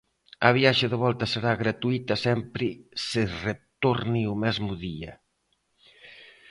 A viaxe de volta será gratuíta sempre se retorne o mesmo día.